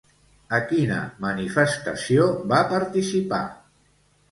A quina manifestació va participar?